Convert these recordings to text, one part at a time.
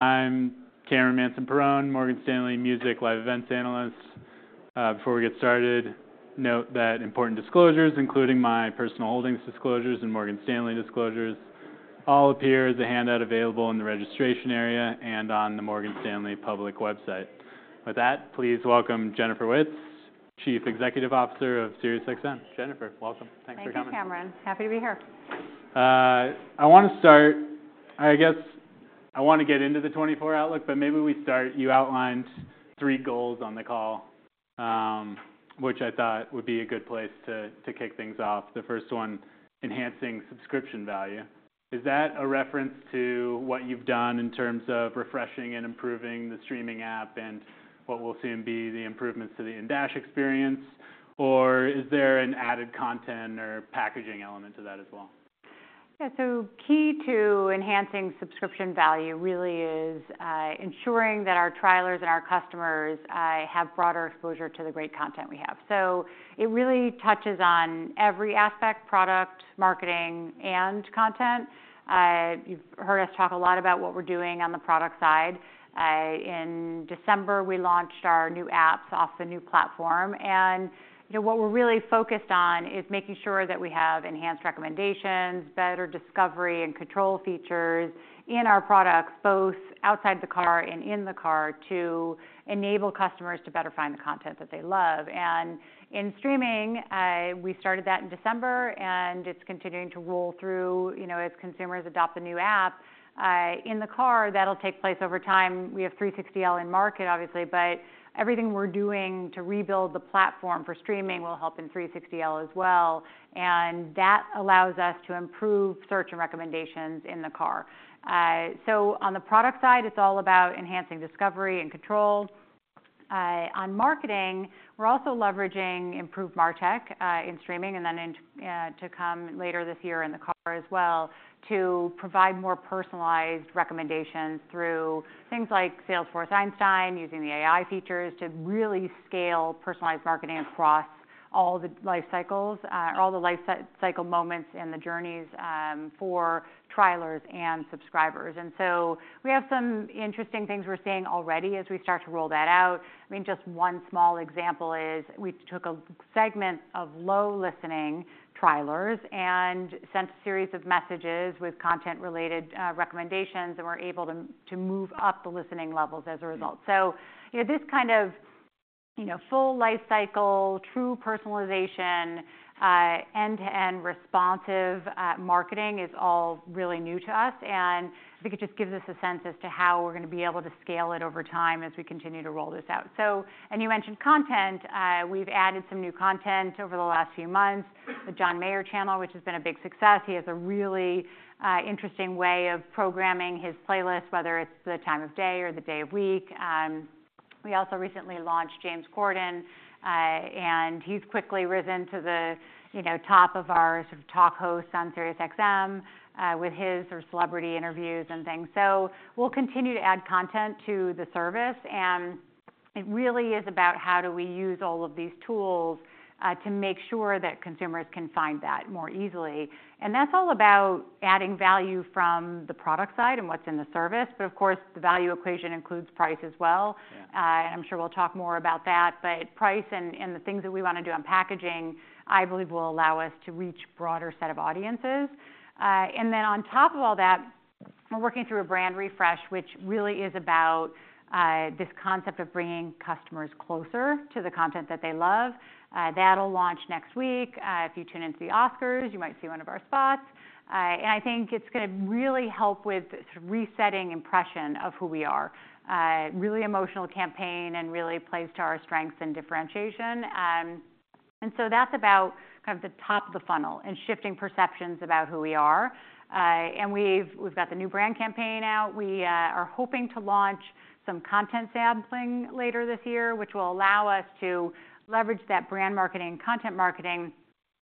I'm Cameron Mansson-Perrone, Morgan Stanley Music Live Events analyst. Before we get started, note that important disclosures, including my personal holdings disclosures and Morgan Stanley disclosures, all appear as a handout available in the registration area and on the Morgan Stanley public website. With that, please welcome Jennifer Witz, Chief Executive Officer of SiriusXM. Jennifer, welcome. Thanks for coming. Thank you, Cameron. Happy to be here. I guess I want to get into the 2024 outlook, but maybe we start, you outlined 3 goals on the call, which I thought would be a good place to kick things off. The first one, enhancing subscription value. Is that a reference to what you've done in terms of refreshing and improving the streaming app, and what we'll soon be the improvements to the in-dash experience? Or is there an added content or packaging element to that as well? Yeah. So key to enhancing subscription value really is ensuring that our trialers and our customers have broader exposure to the great content we have. So it really touches on every aspect, product, marketing, and content. You've heard us talk a lot about what we're doing on the product side. In December, we launched our new apps off the new platform, and, you know, what we're really focused on is making sure that we have enhanced recommendations, better discovery and control features in our products, both outside the car and in the car, to enable customers to better find the content that they love. And in streaming, we started that in December, and it's continuing to roll through, you know, as consumers adopt the new app. In the car, that'll take place over time. We have 360L in market, obviously, but everything we're doing to rebuild the platform for streaming will help in 360L as well, and that allows us to improve search and recommendations in the car. So on the product side, it's all about enhancing discovery and control. On marketing, we're also leveraging improved martech in streaming and then to come later this year in the car as well, to provide more personalized recommendations through things like Salesforce Einstein, using the AI features to really scale personalized marketing across all the life cycles, all the life cycle moments and the journeys, for trialers and subscribers. So we have some interesting things we're seeing already as we start to roll that out. I mean, just one small example is we took a segment of low listening trialers and sent a series of messages with content-related recommendations, and were able to move up the listening levels as a result. So, you know, this kind of, you know, full life cycle, true personalization end-to-end responsive marketing is all really new to us, and we think it just gives us a sense as to how we're going to be able to scale it over time as we continue to roll this out. So... And you mentioned content, we've added some new content over the last few months. The John Mayer channel, which has been a big success. He has a really interesting way of programming his playlist, whether it's the time of day or the day of week. We also recently launched James Corden, and he's quickly risen to the, you know, top of our sort of talk hosts on SiriusXM, with his sort of celebrity interviews and things. So we'll continue to add content to the service, and it really is about how do we use all of these tools, to make sure that consumers can find that more easily. And that's all about adding value from the product side and what's in the service, but of course, the value equation includes price as well. Yeah. I'm sure we'll talk more about that. But price and the things that we want to do on packaging, I believe, will allow us to reach broader set of audiences. Then on top of all that, we're working through a brand refresh, which really is about this concept of bringing customers closer to the content that they love. That'll launch next week. If you tune into the Oscars, you might see one of our spots. I think it's going to really help with sort of resetting impression of who we are. Really emotional campaign and really plays to our strengths and differentiation. So that's about kind of the top of the funnel and shifting perceptions about who we are. We've got the new brand campaign out. We are hoping to launch some content sampling later this year, which will allow us to leverage that brand marketing, content marketing,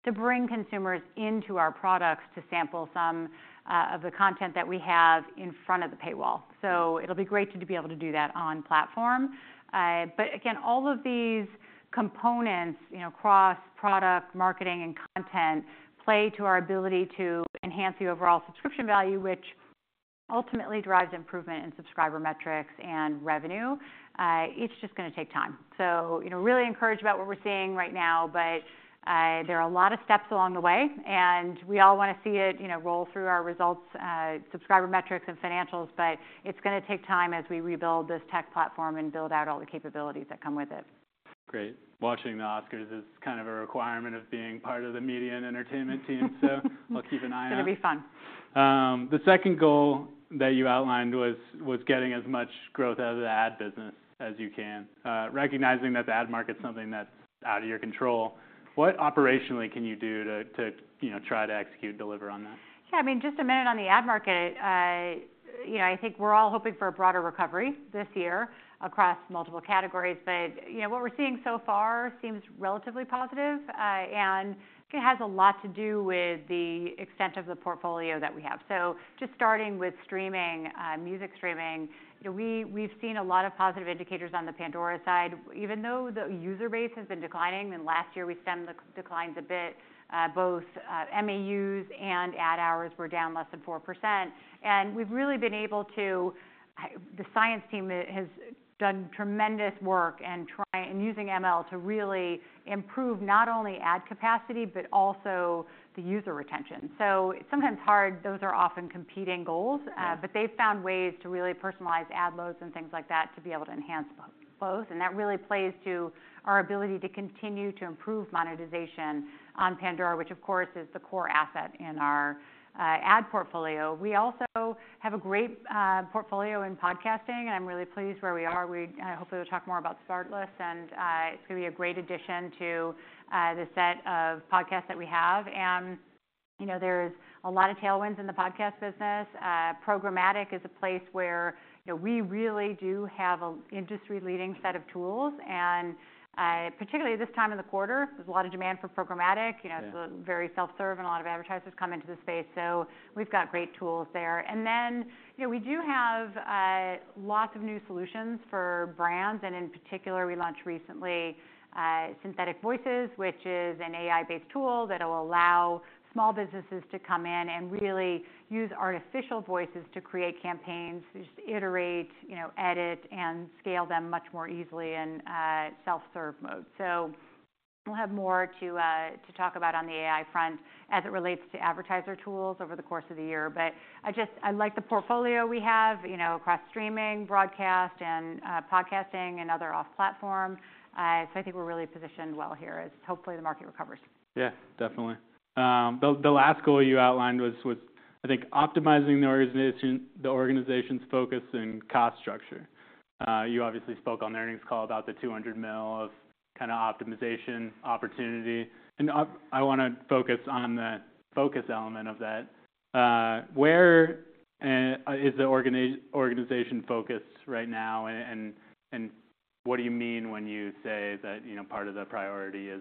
to bring consumers into our products to sample some of the content that we have in front of the paywall. So it'll be great to be able to do that on platform. But again, all of these components, you know, across product, marketing, and content, play to our ability to enhance the overall subscription value, which ultimately drives improvement in subscriber metrics and revenue. It's just going to take time. So, you know, really encouraged about what we're seeing right now, but there are a lot of steps along the way, and we all want to see it, you know, roll through our results, subscriber metrics and financials, but it's going to take time as we rebuild this tech platform and build out all the capabilities that come with it. Great. Watching the Oscars is kind of a requirement of being part of the media and entertainment team. So we'll keep an eye out. It's going to be fun. The second goal that you outlined was getting as much growth out of the ad business as you can. Recognizing that the ad market is something that's out of your control, what operationally can you do to you know, try to execute, deliver on that? Yeah, I mean, just a minute on the ad market. You know, I think we're all hoping for a broader recovery this year across multiple categories. But, you know, what we're seeing so far seems relatively positive, and it has a lot to do with the extent of the portfolio that we have. So just starting with streaming, music streaming, you know, we've seen a lot of positive indicators on the Pandora side. Even though the user base has been declining, and last year we stemmed the declines a bit, both MAUs and ad hours were down less than 4%. And we've really been able to. The science team has done tremendous work in trying using ML to really improve not only ad capacity, but also the user retention. So it's sometimes hard, those are often competing goals. Yeah. But they've found ways to really personalize ad loads and things like that, to be able to enhance both. And that really plays to our ability to continue to improve monetization on Pandora, which of course is the core asset in our ad portfolio. We also have a great portfolio in podcasting, and I'm really pleased where we are. Hopefully, we'll talk more about SmartLess, and it's gonna be a great addition to the set of podcasts that we have. And, you know, there's a lot of tailwinds in the podcast business. Programmatic is a place where, you know, we really do have an industry-leading set of tools, and particularly this time in the quarter, there's a lot of demand for programmatic. Yeah. You know, so very self-serve, and a lot of advertisers come into the space. So we've got great tools there. And then, you know, we do have lots of new solutions for brands, and in particular, we launched recently synthetic voices, which is an AI-based tool that will allow small businesses to come in and really use artificial voices to create campaigns, to just iterate, you know, edit, and scale them much more easily in self-serve mode. So we'll have more to talk about on the AI front as it relates to advertiser tools over the course of the year. But I just—I like the portfolio we have, you know, across streaming, broadcast, and podcasting and other off-platform. So I think we're really positioned well here as, hopefully, the market recovers. Yeah, definitely. The last goal you outlined was, I think, optimizing the organization's focus and cost structure. You obviously spoke on the earnings call about the $200 million of kind of optimization opportunity, and I wanna focus on the focus element of that. Where is the organization focused right now, and what do you mean when you say that, you know, part of the priority is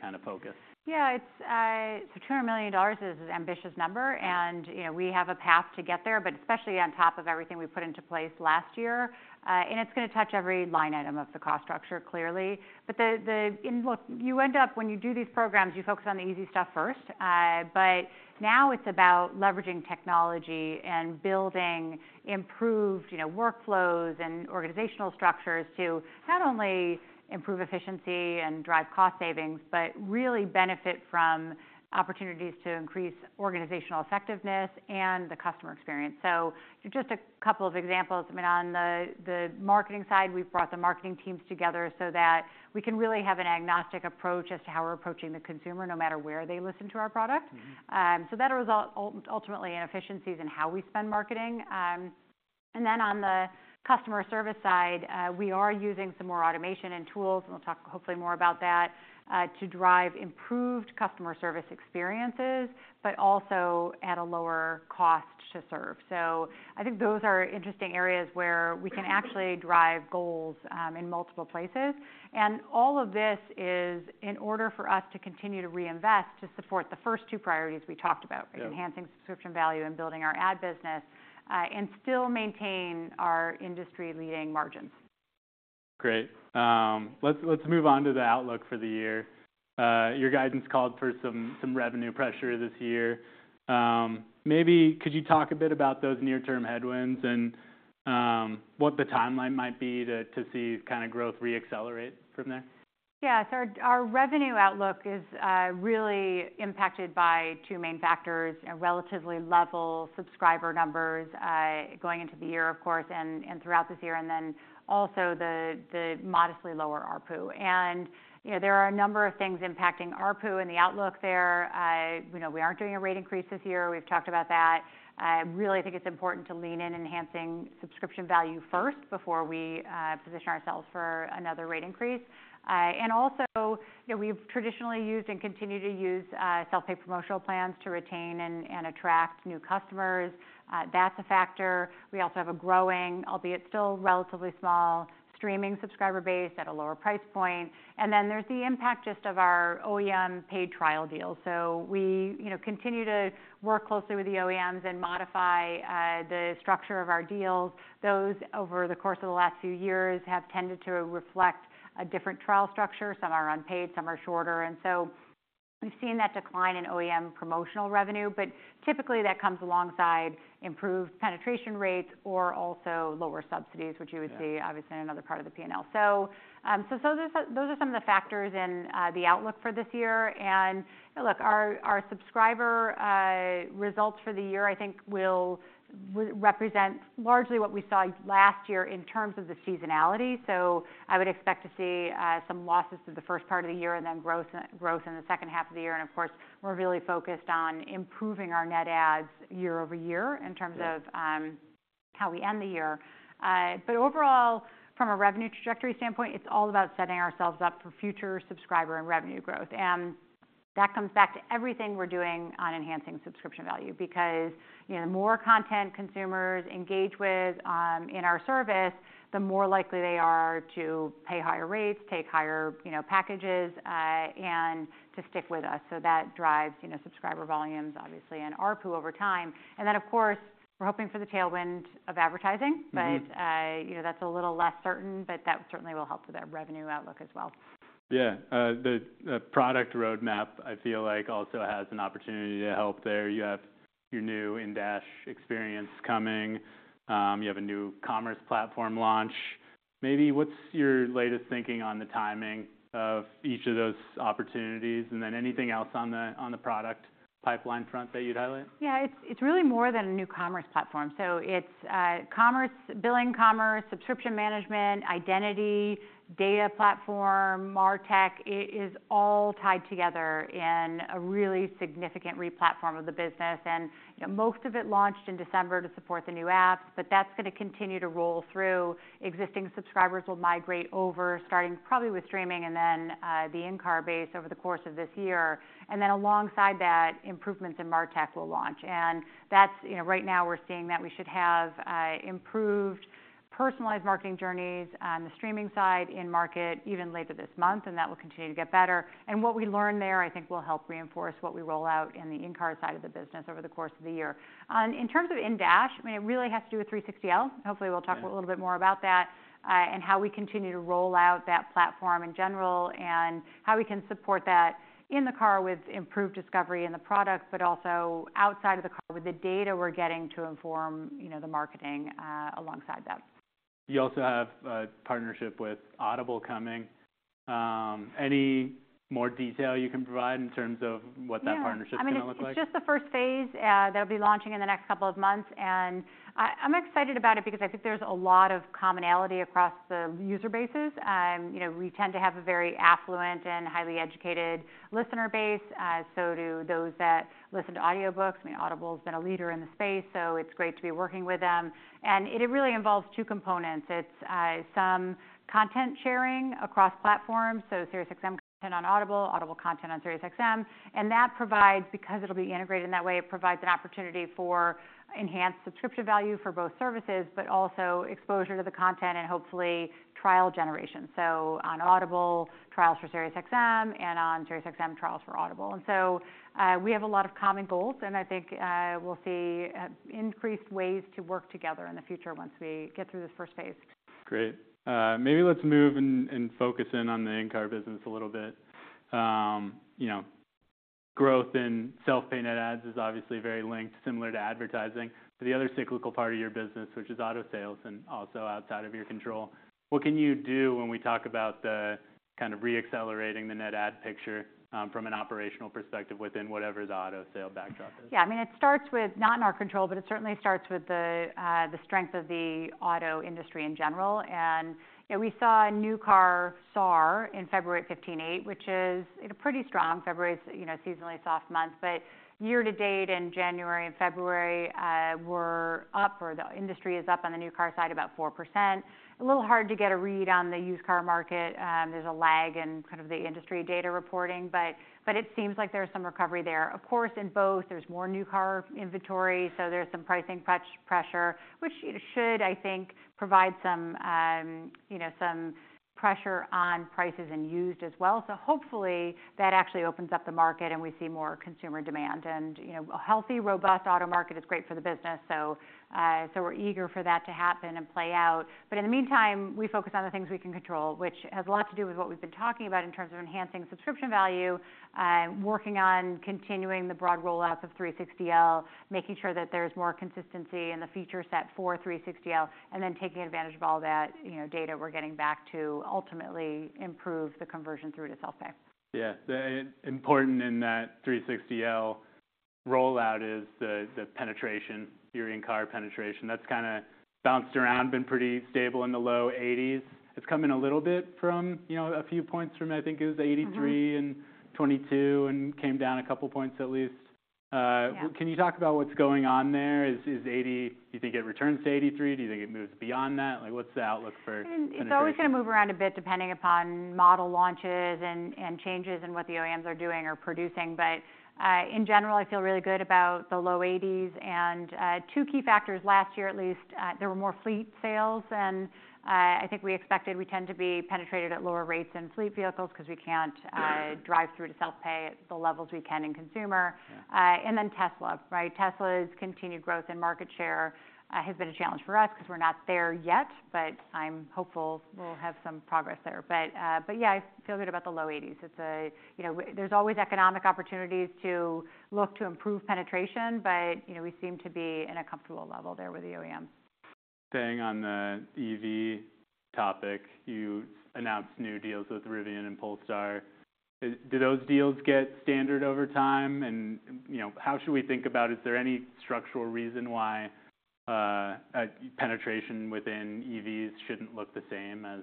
kind of focused? Yeah, it's so $200 million is an ambitious number, and- Yeah... you know, we have a path to get there, but especially on top of everything we've put into place last year. And it's gonna touch every line item of the cost structure, clearly. But. And look, you end up, when you do these programs, you focus on the easy stuff first. But now it's about leveraging technology and building improved, you know, workflows and organizational structures to not only improve efficiency and drive cost savings, but really benefit from opportunities to increase organizational effectiveness and the customer experience. So just a couple of examples. I mean, on the marketing side, we've brought the marketing teams together so that we can really have an agnostic approach as to how we're approaching the consumer, no matter where they listen to our product. Mm-hmm. So that'll result ultimately in efficiencies in how we spend marketing. And then on the customer service side, we are using some more automation and tools, and we'll talk hopefully more about that, to drive improved customer service experiences, but also at a lower cost to serve. So I think those are interesting areas where we can actually drive goals, in multiple places. And all of this is in order for us to continue to reinvest, to support the first two priorities we talked about- Yeah... enhancing subscription value and building our ad business, and still maintain our industry-leading margins. Great. Let's move on to the outlook for the year. Your guidance called for some revenue pressure this year. Maybe could you talk a bit about those near-term headwinds and what the timeline might be to see kind of growth re-accelerate from there? Yeah. So our revenue outlook is really impacted by two main factors, a relatively level subscriber numbers going into the year, of course, and throughout this year, and then also the modestly lower ARPU. And, you know, there are a number of things impacting ARPU and the outlook there. We know we aren't doing a rate increase this year. We've talked about that. Really, I think it's important to lean in enhancing subscription value first before we position ourselves for another rate increase. And also, you know, we've traditionally used and continue to use self-pay promotional plans to retain and attract new customers. That's a factor. We also have a growing, albeit still relatively small, streaming subscriber base at a lower price point. And then there's the impact just of our OEM paid trial deals. So we, you know, continue to work closely with the OEMs and modify the structure of our deals. Those, over the course of the last few years, have tended to reflect a different trial structure. Some are unpaid, some are shorter. And so we've seen that decline in OEM promotional revenue, but typically that comes alongside improved penetration rates or also lower subsidies, which you would- Yeah... see obviously in another part of the P&L. So, so those are, those are some of the factors in, the outlook for this year. And, look, our subscriber results for the year, I think, will represent largely what we saw last year in terms of the seasonality. So I would expect to see some losses in the first part of the year and then growth, growth in the second half of the year. And of course, we're really focused on improving our net adds year-over-year in terms of- Yeah... how we end the year. But overall, from a revenue trajectory standpoint, it's all about setting ourselves up for future subscriber and revenue growth. And that comes back to everything we're doing on enhancing subscription value, because, you know, the more content consumers engage with, in our service, the more likely they are to pay higher rates, take higher, you know, packages, and to stick with us. So that drives, you know, subscriber volumes, obviously, and ARPU over time. And then, of course, we're hoping for the tailwind of advertising. Mm-hmm. You know, that's a little less certain, but that certainly will help with our revenue outlook as well. Yeah, the product roadmap, I feel like, also has an opportunity to help there. You have your new in-dash experience coming. You have a new commerce platform launch... maybe what's your latest thinking on the timing of each of those opportunities? And then anything else on the product pipeline front that you'd highlight? Yeah, it's, it's really more than a new commerce platform. So it's commerce, billing commerce, subscription management, identity, data platform, martech. It is all tied together in a really significant replatform of the business. And, you know, most of it launched in December to support the new apps, but that's gonna continue to roll through. Existing subscribers will migrate over, starting probably with streaming and then the in-car base over the course of this year. And then alongside that, improvements in martech will launch. And that's, you know, right now we're seeing that we should have improved personalized marketing journeys on the streaming side in market even later this month, and that will continue to get better. And what we learn there, I think, will help reinforce what we roll out in the in-car side of the business over the course of the year. In terms of in-dash, I mean, it really has to do with 360L. Hopefully, we'll talk a little bit more about that, and how we continue to roll out that platform in general, and how we can support that in the car with improved discovery in the product, but also outside of the car with the data we're getting to inform, you know, the marketing, alongside that. You also have a partnership with Audible coming. Any more detail you can provide in terms of what that partnership's gonna look like? Yeah. I mean, it's just the first phase, that'll be launching in the next couple of months, and I'm excited about it because I think there's a lot of commonality across the user bases. You know, we tend to have a very affluent and highly educated listener base, so do those that listen to audiobooks. I mean, Audible's been a leader in the space, so it's great to be working with them. And it really involves two components. It's some content sharing across platforms, so SiriusXM content on Audible, Audible content on SiriusXM. And that provides, because it'll be integrated in that way, it provides an opportunity for enhanced subscription value for both services, but also exposure to the content and hopefully trial generation. So on Audible, trials for SiriusXM, and on SiriusXM, trials for Audible. And so, we have a lot of common goals, and I think we'll see increased ways to work together in the future once we get through this first phase. Great. Maybe let's move and focus in on the in-car business a little bit. You know, growth in self-pay net adds is obviously very linked, similar to advertising. But the other cyclical part of your business, which is auto sales and also outside of your control, what can you do when we talk about the kind of reaccelerating the net add picture, from an operational perspective within whatever the auto sale backdrop is? Yeah, I mean, it starts with not in our control, but it certainly starts with the, the strength of the auto industry in general. And, you know, we saw a new car SAAR in February at 15.8, which is, you know, pretty strong. February is, you know, seasonally a soft month, but year to date, in January and February, we're up, or the industry is up on the new car side, about 4%. A little hard to get a read on the used car market. There's a lag in kind of the industry data reporting, but it seems like there's some recovery there. Of course, in both, there's more new car inventory, so there's some pricing pressure, which should, I think, provide some, you know, some pressure on prices and used as well. So hopefully, that actually opens up the market and we see more consumer demand. And, you know, a healthy, robust auto market is great for the business, so, so we're eager for that to happen and play out. But in the meantime, we focus on the things we can control, which has a lot to do with what we've been talking about in terms of enhancing subscription value, working on continuing the broad rollouts of 360L, making sure that there's more consistency in the feature set for 360L, and then taking advantage of all that, you know, data we're getting back to ultimately improve the conversion through to self-pay. Yeah. The important in that 360L rollout is the penetration, your in-car penetration. That's kind of bounced around, been pretty stable in the low 80s. It's come in a little bit from, you know, a few points from, I think it was 83- Mm-hmm... and 22, and came down a couple points at least. Yeah. Can you talk about what's going on there? Is 80, do you think it returns to 83? Do you think it moves beyond that? Like, what's the outlook for penetration? It's always gonna move around a bit, depending upon model launches and changes in what the OEMs are doing or producing. But, in general, I feel really good about the low 80s. And, two key factors last year, at least, there were more fleet sales, and, I think we expected we tend to be penetrated at lower rates in fleet vehicles because we can't, Yeah... drive through to self-pay at the levels we can in consumer. Yeah. And then Tesla, right? Tesla's continued growth and market share has been a challenge for us because we're not there yet, but I'm hopeful we'll have some progress there. But, but yeah, I feel good about the low eighties. It's you know, there's always economic opportunities to look to improve penetration, but, you know, we seem to be in a comfortable level there with the OEM. Staying on the EV topic, you announced new deals with Rivian and Polestar. Do those deals get standard over time? And, you know, how should we think about... Is there any structural reason why penetration within EVs shouldn't look the same as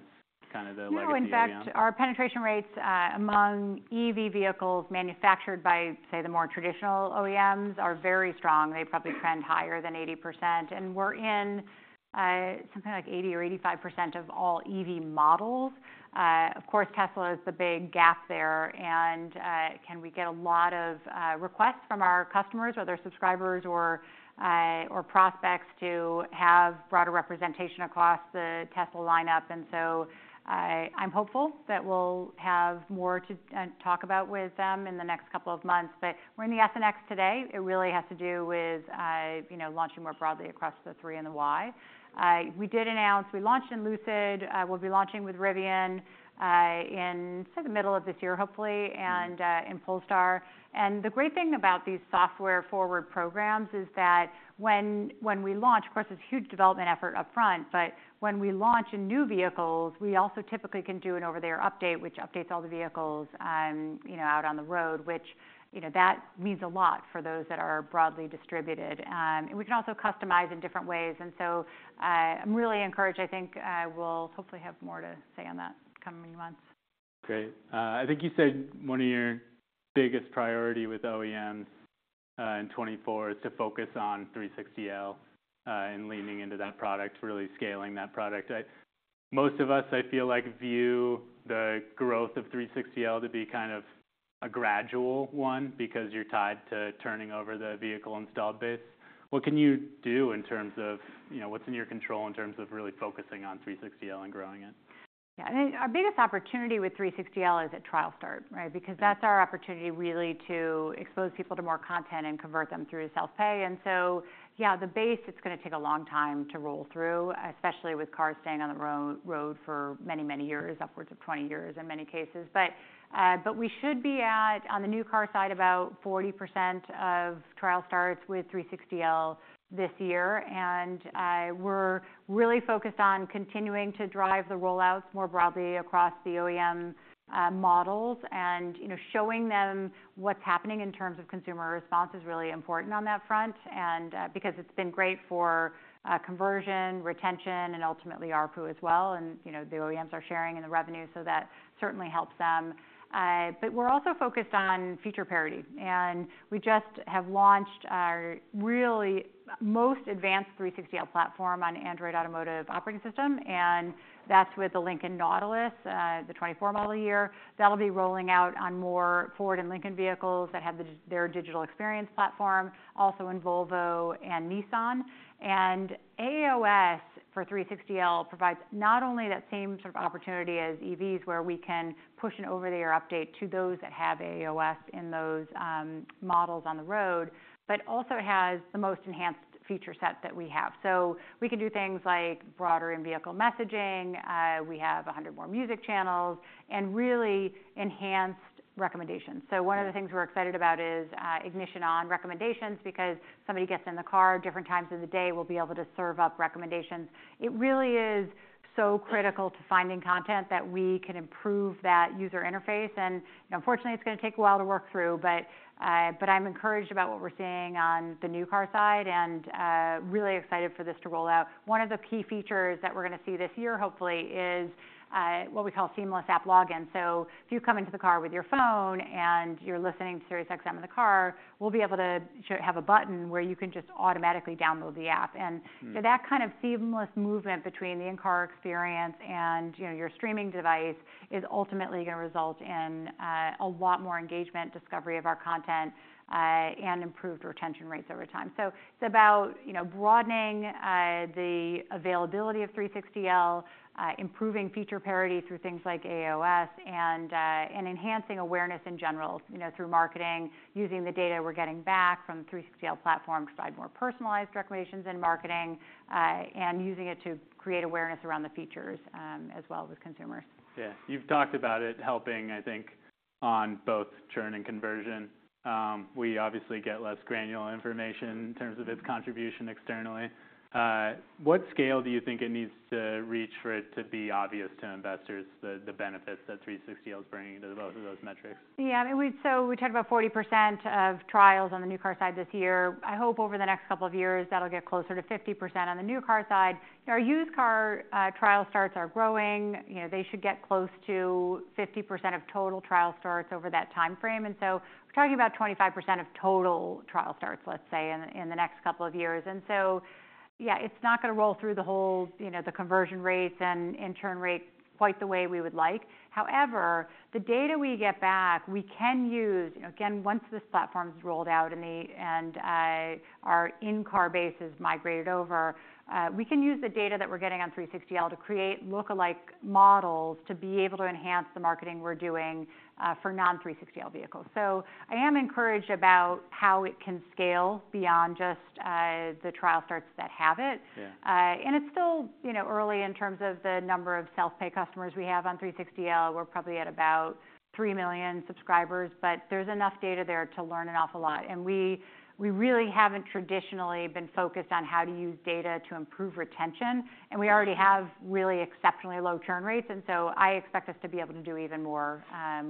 kind of the legacy OEM? No, in fact, our penetration rates among EV vehicles manufactured by, say, the more traditional OEMs, are very strong. They probably trend higher than 80%, and we're in something like 80 or 85% of all EV models. Of course, Tesla is the big gap there, and can we get a lot of requests from our customers, whether subscribers or prospects, to have broader representation across the Tesla lineup. And so I'm hopeful that we'll have more to talk about with them in the next couple of months. But we're in the S and X today. It really has to do with you know, launching more broadly across the 3 and the Y. We launched in Lucid. We'll be launching with Rivian in say, the middle of this year, hopefully- Mm-hmm... and in Polestar. And the great thing about these software-forward programs is that when we launch, of course, it's a huge development effort upfront, but when we launch in new vehicles, we also typically can do an over-the-air update, which updates all the vehicles, you know, out on the road, which, you know, that means a lot for those that are broadly distributed. And we can also customize in different ways, and so, I'm really encouraged. I think, we'll hopefully have more to say on that in the coming months. Great. I think you said one of your biggest priority with OEMs in 2024 is to focus on 360L, and leaning into that product, really scaling that product, right? Most of us, I feel like, view the growth of 360L to be kind of a gradual one because you're tied to turning over the vehicle installed base. What can you do in terms of, you know, what's in your control in terms of really focusing on 360L and growing it? Yeah. I think our biggest opportunity with 360L is at trial start, right? Because that's our opportunity really to expose people to more content and convert them through self-pay. And so, yeah, the base, it's gonna take a long time to roll through, especially with cars staying on the road for many, many years, upwards of 20 years in many cases. But, but we should be at, on the new car side, about 40% of trial starts with 360L this year. And, we're really focused on continuing to drive the rollouts more broadly across the OEM models. And, you know, showing them what's happening in terms of consumer response is really important on that front, and, because it's been great for, conversion, retention, and ultimately ARPU as well. You know, the OEMs are sharing in the revenue, so that certainly helps them. But we're also focused on feature parity, and we just have launched our really most advanced 360L platform on Android Automotive Operating System, and that's with the Lincoln Nautilus, the 2024 model year. That'll be rolling out on more Ford and Lincoln vehicles that have their digital experience platform, also in Volvo and Nissan. And AAOS for 360L provides not only that same sort of opportunity as EVs, where we can push an over-the-air update to those that have AAOS in those models on the road, but also has the most enhanced feature set that we have. So we can do things like broader in-vehicle messaging, we have 100 more music channels, and really enhanced recommendations. So one of the things we're excited about is ignition on recommendations, because somebody gets in the car different times of the day, we'll be able to serve up recommendations. It really is so critical to finding content that we can improve that user interface, and unfortunately, it's gonna take a while to work through, but I'm encouraged about what we're seeing on the new car side and really excited for this to roll out. One of the key features that we're gonna see this year, hopefully, is what we call seamless app login. So if you come into the car with your phone and you're listening to SiriusXM in the car, we'll be able to have a button where you can just automatically download the app. Mm. And so that kind of seamless movement between the in-car experience and, you know, your streaming device is ultimately gonna result in a lot more engagement, discovery of our content, and improved retention rates over time. So it's about, you know, broadening the availability of 360L, improving feature parity through things like AAOS, and and enhancing awareness in general, you know, through marketing, using the data we're getting back from the 360L platform to provide more personalized recommendations in marketing, and using it to create awareness around the features, as well as consumers. Yeah. You've talked about it helping, I think, on both churn and conversion. We obviously get less granular information in terms of its contribution externally. What scale do you think it needs to reach for it to be obvious to investors, the benefits that 360L is bringing to both of those metrics? Yeah, I mean, so we talked about 40% of trials on the new car side this year. I hope over the next couple of years, that'll get closer to 50% on the new car side. Our used car trial starts are growing. You know, they should get close to 50% of total trial starts over that timeframe. And so we're talking about 25% of total trial starts, let's say, in the next couple of years. And so, yeah, it's not gonna roll through the whole, you know, the conversion rates and in-turn rates quite the way we would like. However, the data we get back, we can use... You know, again, once this platform is rolled out and the and, our in-car base is migrated over, we can use the data that we're getting on 360L to create lookalike models to be able to enhance the marketing we're doing, for non-360L vehicles. So I am encouraged about how it can scale beyond just, the trial starts that have it. Yeah. And it's still, you know, early in terms of the number of self-pay customers we have on 360L. We're probably at about three million subscribers, but there's enough data there to learn an awful lot. And we, we really haven't traditionally been focused on how to use data to improve retention, and we already have really exceptionally low churn rates. And so I expect us to be able to do even more,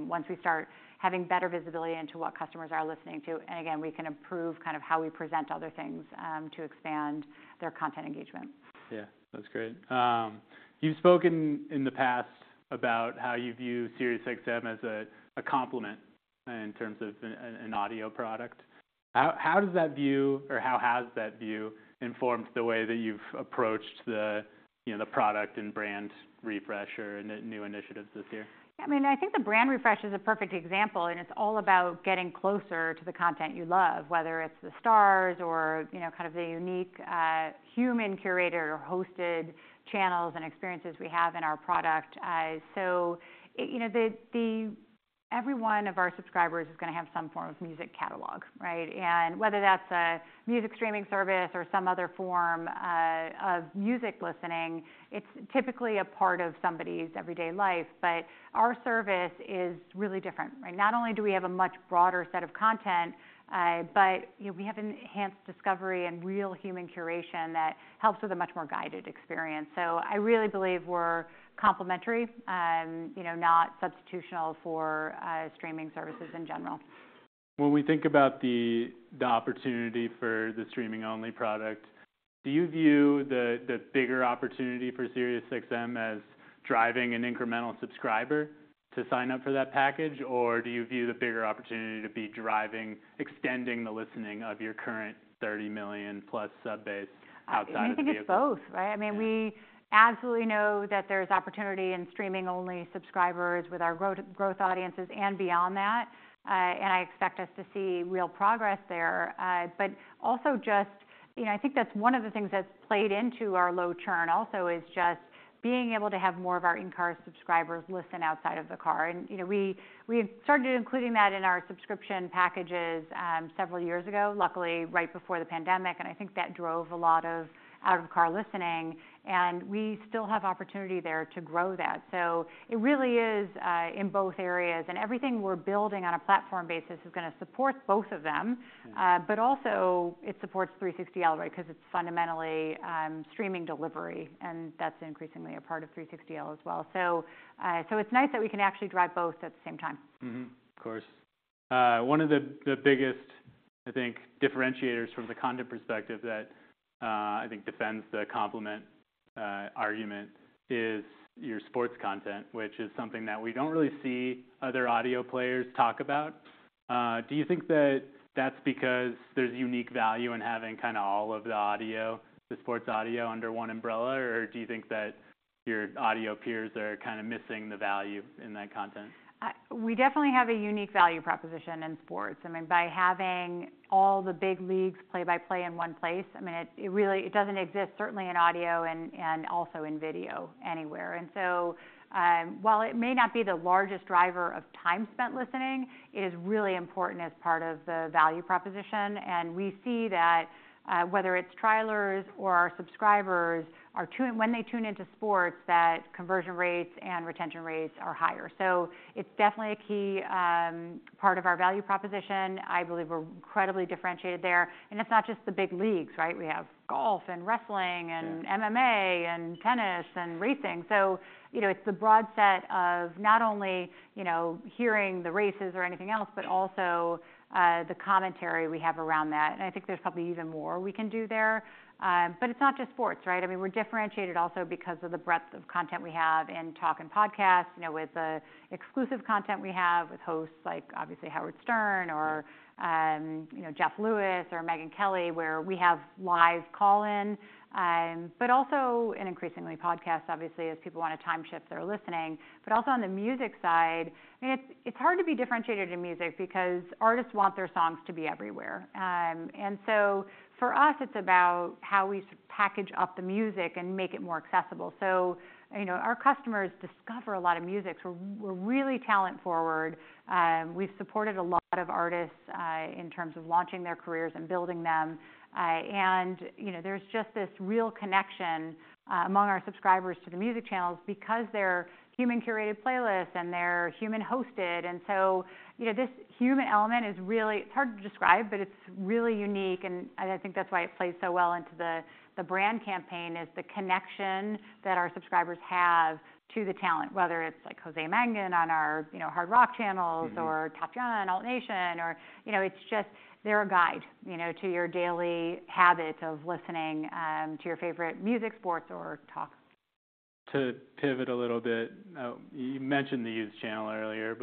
once we start having better visibility into what customers are listening to. And again, we can improve kind of how we present other things, to expand their content engagement. Yeah, that's great. You've spoken in the past about how you view SiriusXM as a complement in terms of an audio product. How does that view or how has that view informed the way that you've approached the, you know, the product and brand refresh or new initiatives this year? I mean, I think the brand refresh is a perfect example, and it's all about getting closer to the content you love, whether it's the stars or, you know, kind of the unique, human curator or hosted channels and experiences we have in our product. So, you know, every one of our subscribers is gonna have some form of music catalog, right? And whether that's a music streaming service or some other form, of music listening, it's typically a part of somebody's everyday life. But our service is really different, right? Not only do we have a much broader set of content, but, you know, we have enhanced discovery and real human curation that helps with a much more guided experience. So I really believe we're complementary, you know, not substitutional for, streaming services in general. When we think about the opportunity for the streaming-only product... do you view the bigger opportunity for SiriusXM as driving an incremental subscriber to sign up for that package? Or do you view the bigger opportunity to be driving, extending the listening of your current 30 million-plus sub base outside of the vehicle? I think it's both, right? I mean, we absolutely know that there's opportunity in streaming-only subscribers with our growing audiences and beyond that. And I expect us to see real progress there. But also just, you know, I think that's one of the things that's played into our low churn also, is just being able to have more of our in-car subscribers listen outside of the car. And, you know, we started including that in our subscription packages, several years ago, luckily, right before the pandemic, and I think that drove a lot of out-of-car listening. And we still have opportunity there to grow that. So it really is in both areas, and everything we're building on a platform basis is gonna support both of them. Yeah. But also it supports 360L, right? Because it's fundamentally, streaming delivery, and that's increasingly a part of 360L as well. So, so it's nice that we can actually drive both at the same time. Mm-hmm. Of course. One of the biggest, I think, differentiators from the content perspective that I think defends the complementary argument is your sports content, which is something that we don't really see other audio players talk about. Do you think that that's because there's unique value in having kind of all of the audio, the sports audio under one umbrella? Or do you think that your audio peers are kind of missing the value in that content? We definitely have a unique value proposition in sports. I mean, by having all the big leagues play-by-play in one place, I mean, it really it doesn't exist, certainly in audio and also in video anywhere. So, while it may not be the largest driver of time spent listening, it is really important as part of the value proposition. And we see that, whether it's trialers or our subscribers, when they tune into sports, that conversion rates and retention rates are higher. So it's definitely a key part of our value proposition. I believe we're incredibly differentiated there. And it's not just the big leagues, right? We have golf and wrestling and- Sure... MMA and tennis and racing. So, you know, it's the broad set of not only, you know, hearing the races or anything else, but also, the commentary we have around that. And I think there's probably even more we can do there. But it's not just sports, right? I mean, we're differentiated also because of the breadth of content we have in talk and podcasts, you know, with the exclusive content we have with hosts like, obviously, Howard Stern or, you know, Jeff Lewis or Megyn Kelly, where we have live call-in, but also and increasingly, podcasts, obviously, as people want to time shift their listening. But also on the music side, I mean, it's, it's hard to be differentiated in music because artists want their songs to be everywhere. And so for us, it's about how we package up the music and make it more accessible. So, you know, our customers discover a lot of music, so we're really talent forward. We've supported a lot of artists, in terms of launching their careers and building them. And, you know, there's just this real connection, among our subscribers to the music channels because they're human-curated playlists and they're human-hosted. And so, you know, this human element is really... It's hard to describe, but it's really unique, and I think that's why it plays so well into the, the brand campaign, is the connection that our subscribers have to the talent, whether it's like Jose Mangin on our, you know, hard rock channels- Mm-hmm... or Tappen, Alt Nation, or you know, it's just they're a guide, you know, to your daily habits of listening to your favorite music, sports, or talk. To pivot a little bit, you mentioned the used channel earlier,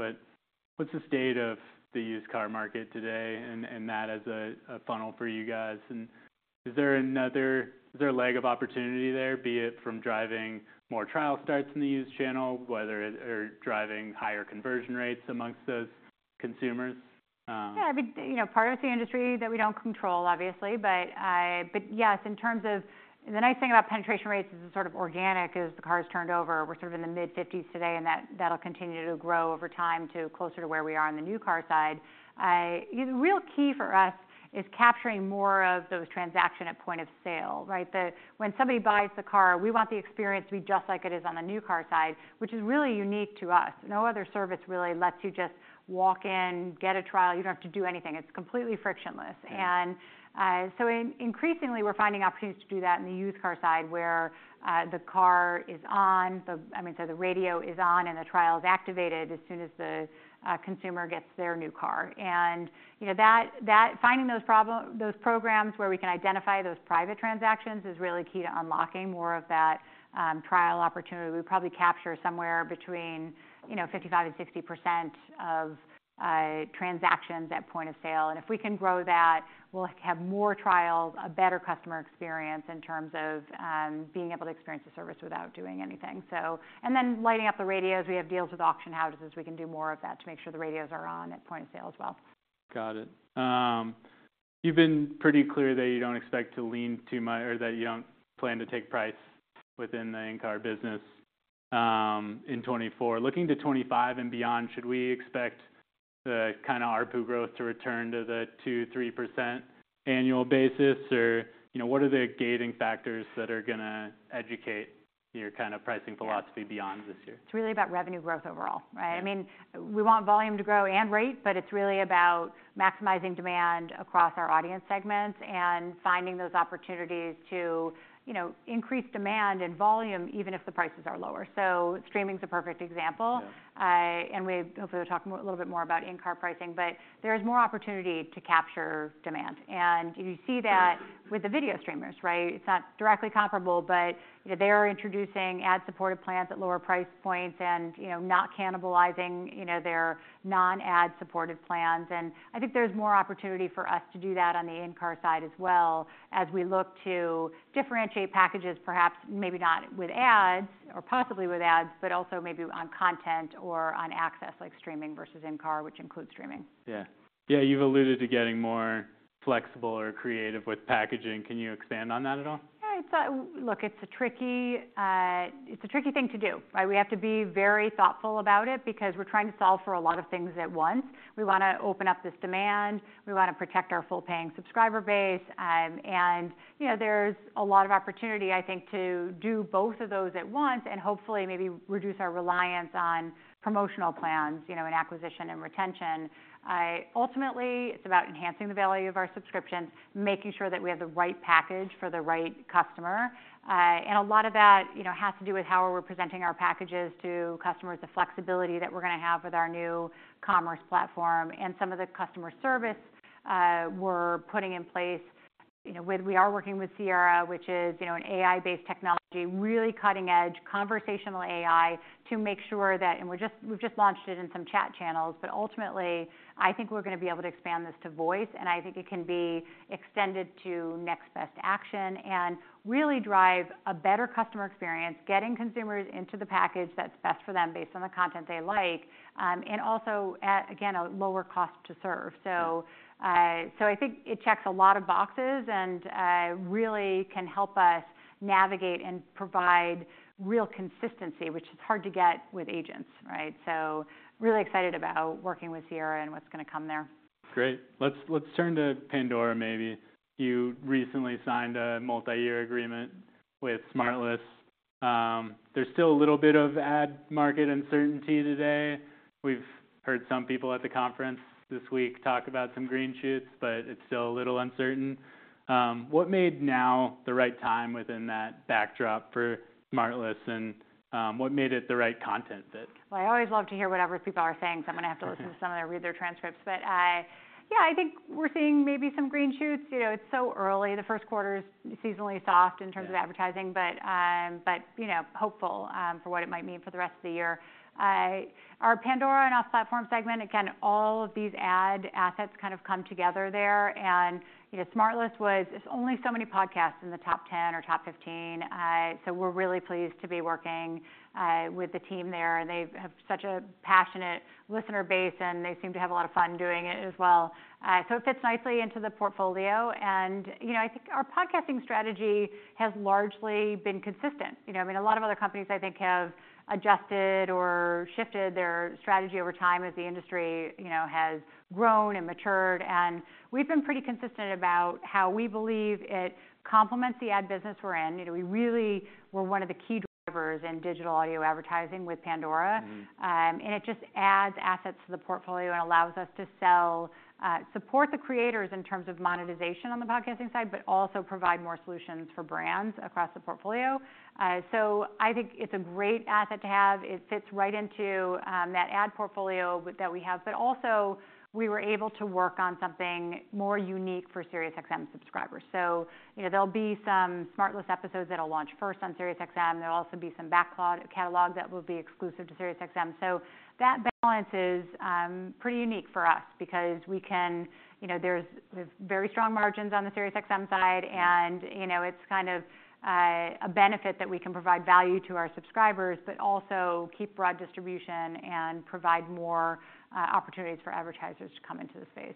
but what's the state of the used car market today and that as a funnel for you guys? And is there a leg of opportunity there, be it from driving more trial starts in the used channel or driving higher conversion rates amongst those consumers? Yeah, I mean, you know, part of it's the industry that we don't control, obviously. But I—but yes, in terms of the nice thing about penetration rates is it's sort of organic as the cars turned over. We're sort of in the mid-fifties today, and that'll continue to grow over time to closer to where we are on the new car side. The real key for us is capturing more of those transactions at point of sale, right? When somebody buys the car, we want the experience to be just like it is on the new car side, which is really unique to us. No other service really lets you just walk in, get a trial. You don't have to do anything. It's completely frictionless. Yeah. Increasingly, we're finding opportunities to do that in the used car side, where the car is on. I mean, so the radio is on, and the trial is activated as soon as the consumer gets their new car. You know, finding those programs where we can identify those private transactions is really key to unlocking more of that trial opportunity. We probably capture somewhere between, you know, 55% and 60% of transactions at point of sale. And if we can grow that, we'll have more trials, a better customer experience in terms of being able to experience the service without doing anything. So, and then lighting up the radios. We have deals with auction houses. We can do more of that to make sure the radios are on at point of sale as well. Got it. You've been pretty clear that you don't expect to lean too much, or that you don't plan to take price within the in-car business, in 2024. Looking to 2025 and beyond, should we expect the kind of ARPU growth to return to the 2%-3% annual basis? Or, you know, what are the gating factors that are gonna dictate your kind of pricing philosophy beyond this year? It's really about revenue growth overall, right? Yeah. I mean, we want volume to grow and rate, but it's really about maximizing demand across our audience segments and finding those opportunities to, you know, increase demand and volume, even if the prices are lower. So streaming's a perfect example. Yeah. We hopefully will talk more, a little bit more about in-car pricing, but there is more opportunity to capture demand. And you see that- Yeah With the video streamers, right? It's not directly comparable, but, you know, they are introducing ad-supported plans at lower price points and, you know, not cannibalizing, you know, their non-ad supported plans. And I think there's more opportunity for us to do that on the in-car side as well, as we look to differentiate packages, perhaps maybe not with ads or possibly with ads, but also maybe on content or on access, like streaming versus in-car, which includes streaming. Yeah. Yeah, you've alluded to getting more flexible or creative with packaging. Can you expand on that at all? Yeah, it's... Look, it's a tricky, it's a tricky thing to do, right? We have to be very thoughtful about it because we're trying to solve for a lot of things at once. We want to open up this demand. We want to protect our full-paying subscriber base. And, you know, there's a lot of opportunity, I think, to do both of those at once and hopefully maybe reduce our reliance on promotional plans, you know, in acquisition and retention. Ultimately, it's about enhancing the value of our subscription, making sure that we have the right package for the right customer. And a lot of that, you know, has to do with how we're presenting our packages to customers, the flexibility that we're going to have with our new commerce platform and some of the customer service we're putting in place. You know, we are working with Sierra, which is, you know, an AI-based technology, really cutting-edge conversational AI, to make sure that. And we've just launched it in some chat channels, but ultimately, I think we're going to be able to expand this to voice, and I think it can be extended to next best action and really drive a better customer experience, getting consumers into the package that's best for them based on the content they like, and also at, again, a lower cost to serve. Yeah. So, so I think it checks a lot of boxes and, really can help us navigate and provide real consistency, which is hard to get with agents, right? So really excited about working with Sierra and what's going to come there. Great. Let's turn to Pandora, maybe. You recently signed a multi-year agreement with SmartLess. Yeah. There's still a little bit of ad market uncertainty today. We've heard some people at the conference this week talk about some green shoots, but it's still a little uncertain. What made now the right time within that backdrop for SmartLess, and what made it the right content fit? Well, I always love to hear whatever people are saying, so I'm going to have to- Sure... listen to some and read their transcripts. But, yeah, I think we're seeing maybe some green shoots. You know, it's so early. The first quarter is seasonally soft in terms- Yeah... of advertising, but, you know, hopeful for what it might mean for the rest of the year. Our Pandora and off-platform segment, again, all of these ad assets kind of come together there. And, you know, SmartLess was... There's only so many podcasts in the top 10 or top 15. So we're really pleased to be working with the team there, and they have such a passionate listener base, and they seem to have a lot of fun doing it as well. So it fits nicely into the portfolio. And, you know, I think our podcasting strategy has largely been consistent. You know, I mean, a lot of other companies, I think, have adjusted or shifted their strategy over time as the industry, you know, has grown and matured, and we've been pretty consistent about how we believe it complements the ad business we're in. You know, we really were one of the key drivers in digital audio advertising with Pandora. Mm-hmm. And it just adds assets to the portfolio and allows us to sell, support the creators in terms of monetization on the podcasting side, but also provide more solutions for brands across the portfolio. So I think it's a great asset to have. It fits right into that ad portfolio that we have, but also, we were able to work on something more unique for SiriusXM subscribers. So, you know, there'll be some SmartLess episodes that'll launch first on SiriusXM. There'll also be some backlog catalog that will be exclusive to SiriusXM. So that balance is pretty unique for us because we can. You know, there's very strong margins on the SiriusXM side, and- Yeah... you know, it's kind of a benefit that we can provide value to our subscribers, but also keep broad distribution and provide more opportunities for advertisers to come into the space.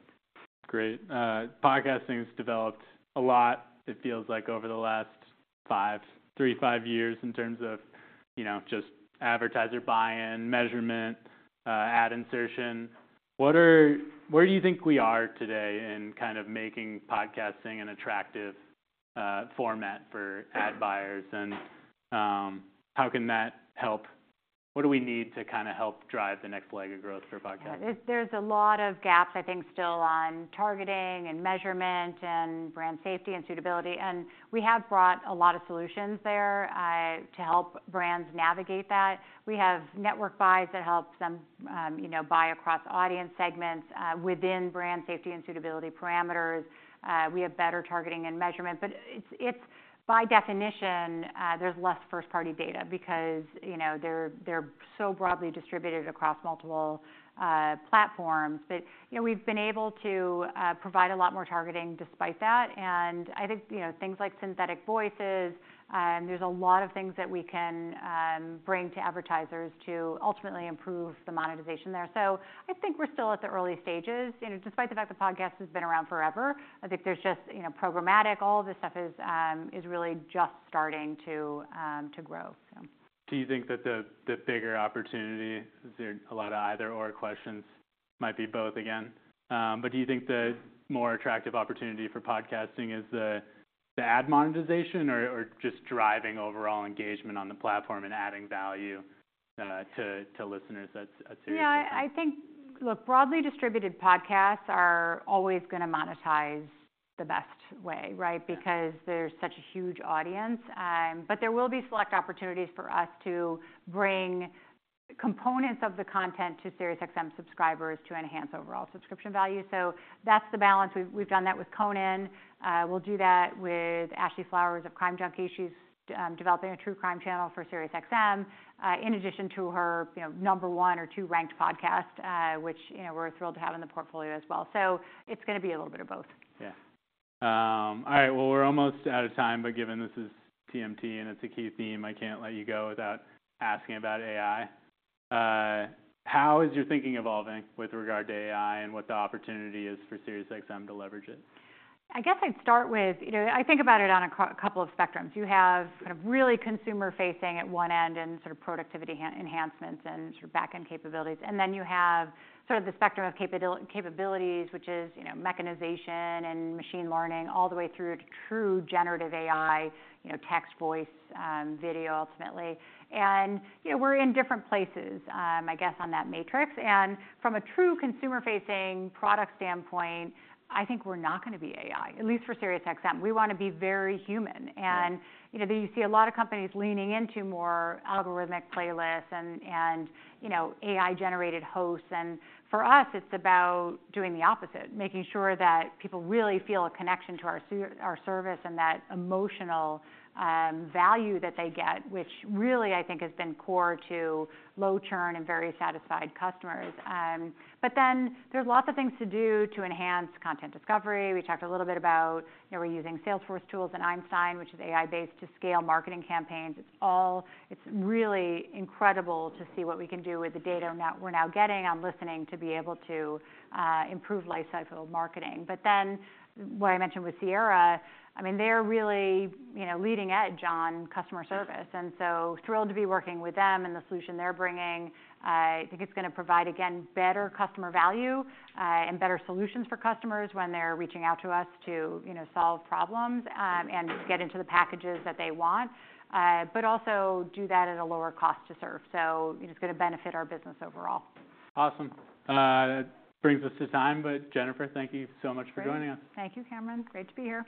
Great. Podcasting's developed a lot, it feels like, over the last five, three-five years in terms of, you know, just advertiser buy-in, measurement, ad insertion. Where do you think we are today in kind of making podcasting an attractive format for ad buyers? And how can that help? What do we need to kind of help drive the next leg of growth for podcasting? There's a lot of gaps, I think, still on targeting and measurement and brand safety and suitability, and we have brought a lot of solutions there, to help brands navigate that. We have network buys that help them, you know, buy across audience segments, within brand safety and suitability parameters. We have better targeting and measurement, but it's. By definition, there's less first-party data because, you know, they're so broadly distributed across multiple, platforms. But, you know, we've been able to, provide a lot more targeting despite that, and I think, you know, things like synthetic voices, there's a lot of things that we can, bring to advertisers to ultimately improve the monetization there. So I think we're still at the early stages. You know, despite the fact that podcasts has been around forever, I think there's just, you know, programmatic, all this stuff is really just starting to grow, so. ... Do you think that the bigger opportunity, there are a lot of either/or questions, might be both again. But do you think the more attractive opportunity for podcasting is the ad monetization or just driving overall engagement on the platform and adding value to listeners at SiriusXM? Yeah, I think, look, broadly distributed podcasts are always going to monetize the best way, right? Yeah. Because there's such a huge audience. But there will be select opportunities for us to bring components of the content to SiriusXM subscribers to enhance overall subscription value. So that's the balance. We've done that with Conan. We'll do that with Ashley Flowers of Crime Junkie. She's developing a true crime channel for SiriusXM, in addition to her, you know, number one or two ranked podcast, which, you know, we're thrilled to have in the portfolio as well. So it's going to be a little bit of both. Yeah. All right. Well, we're almost out of time, but given this is TMT and it's a key theme, I can't let you go without asking about AI. How is your thinking evolving with regard to AI and what the opportunity is for SiriusXM to leverage it? I guess I'd start with, you know, I think about it on a couple of spectrums. You have kind of really consumer facing at one end and sort of productivity enhancements and sort of backend capabilities. And then you have sort of the spectrum of capabilities, which is, you know, mechanization and machine learning, all the way through to true generative AI, you know, text, voice, video, ultimately. And, you know, we're in different places, I guess, on that matrix. And from a true consumer-facing product standpoint, I think we're not going to be AI, at least for SiriusXM. We want to be very human. Right. You know, you see a lot of companies leaning into more algorithmic playlists and, you know, AI-generated hosts. For us, it's about doing the opposite, making sure that people really feel a connection to our service and that emotional value that they get, which really, I think, has been core to low churn and very satisfied customers. But then there's lots of things to do to enhance content discovery. We talked a little bit about, you know, we're using Salesforce tools and Einstein, which is AI-based, to scale marketing campaigns. It's really incredible to see what we can do with the data now we're now getting on listening to be able to improve lifecycle marketing. But then what I mentioned with Sierra, I mean, they're really, you know, leading edge on customer service, and so thrilled to be working with them and the solution they're bringing. I think it's going to provide, again, better customer value, and better solutions for customers when they're reaching out to us to, you know, solve problems, and get into the packages that they want, but also do that at a lower cost to serve. So it's going to benefit our business overall. Awesome. That brings us to time. But Jennifer, thank you so much for joining us. Great. Thank you, Cameron. Great to be here.